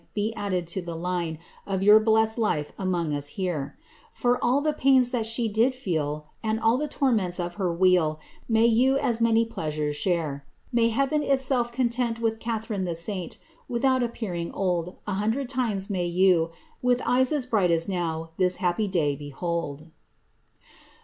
Be added to the line Of your blest life among us here ; 4 For all the pains that she did feel, ^ And all the torments of her wheel. May you as many pleasures share. May Heaven itself content With Catharine tlie saint ; Without appearing old, An hundred times may you, With eyes as bright as now. This happy day behold."